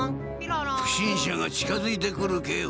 不審者が近づいてくる警報音。